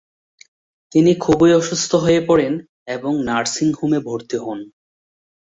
তিনি খুবই অসুস্থ হয়ে পড়েন এবং নার্সিং হোমে ভর্তি হন।